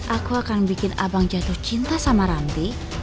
aku akan bikin abang jatuh cinta sama ranti